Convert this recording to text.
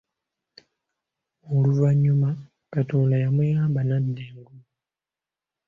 Oluvanyuma Katonda yamuyamba n’adda engulu.